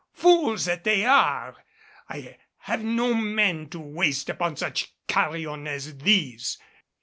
Fools that they are! I have no men to waste upon such carrion as these.